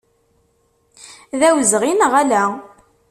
D awezɣi, neɣ ala?